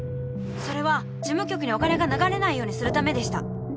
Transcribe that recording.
それは事務局にお金が流れないようにするためでした。